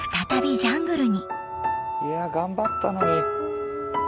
いや頑張ったのに。